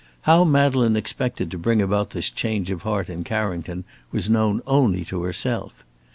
How Madeleine expected to bring about this change of heart in Carrington, was known only to herself.